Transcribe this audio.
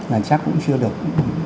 là chắc cũng chưa được